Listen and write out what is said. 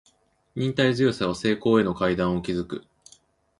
忍耐強さは成功への階段を築く